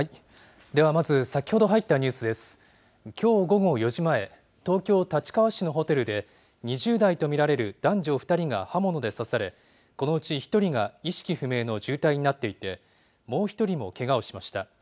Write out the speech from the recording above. きょう午後４時前、東京・立川市のホテルで、２０代と見られる男女２人が刃物で刺され、このうち１人が意識不明の重体になっていて、もう１人もけがをしました。